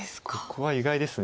ここは意外です